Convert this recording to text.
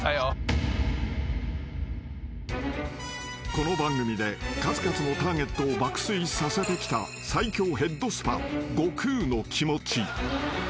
［この番組で数々のターゲットを爆睡させてきた最強ヘッドスパ悟空のきもち］